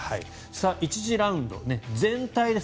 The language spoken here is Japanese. １次ラウンド全体です。